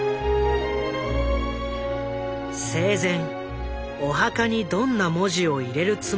生前お墓にどんな文字を入れるつもりか聞いてみた。